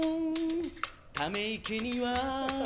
ため池には